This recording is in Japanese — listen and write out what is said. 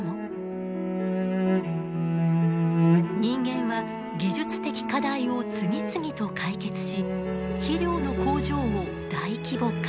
人間は技術的課題を次々と解決し肥料の工場を大規模化。